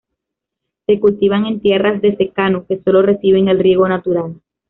Se cultivan en tierras de secano, que solo reciben el riego natural.